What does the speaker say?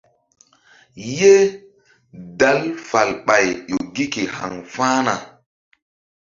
Ye dal falɓay ƴo gi ke haŋfa̧hna.